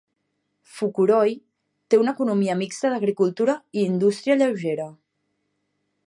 Fukuroi té una economia mixta d'agricultura i indústria lleugera.